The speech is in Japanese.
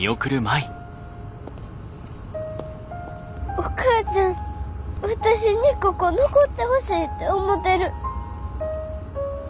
お母ちゃん私にここ残ってほしいて思てる。